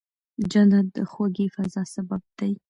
جانداد د خوږې فضا سبب دی.